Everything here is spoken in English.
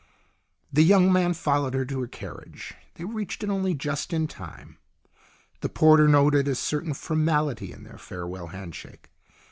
The young man followed her to her carriage. They reached it only just in time. The porter noted a certain formality in their farewell hand shake.